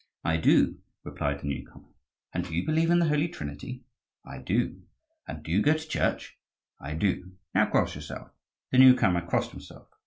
"I do," replied the new comer. "And do you believe in the Holy Trinity?" "I do." "And do you go to church?" "I do." "Now cross yourself." The new comer crossed himself.